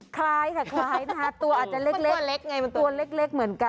คล้ายค่ะตัวอาจจะเล็ก